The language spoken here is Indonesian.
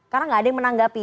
karena gak ada yang menanggapi